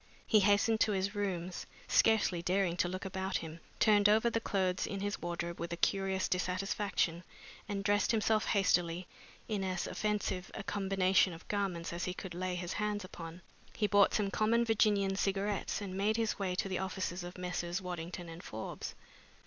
He hastened to his rooms, scarcely daring to look about him, turned over the clothes in his wardrobe with a curious dissatisfaction, and dressed himself hastily in as offensive a combination of garments as he could lay his hands upon. He bought some common Virginian cigarettes and made his way to the offices of Messrs. Waddington and Forbes.